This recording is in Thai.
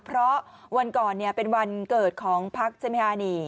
เพราะวันก่อนเป็นวันเกิดของพรรคเจมยานี